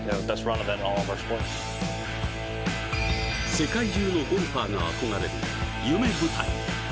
世界中のゴルファーが憧れる、夢舞台。